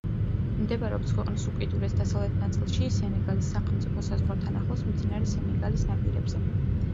მდებარეობს ქვეყნის უკიდურეს დასავლეთ ნაწილში, სენეგალის სახელმწიფო საზღვართან ახლოს მდინარე სენეგალის ნაპირებზე.